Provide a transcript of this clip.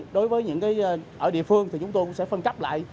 đối với những ở địa phương thì chúng tôi cũng sẽ phân cắp lại